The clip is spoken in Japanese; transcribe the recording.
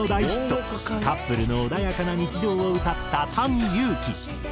カップルの穏やかな日常を歌ったＴａｎｉＹｕｕｋｉ。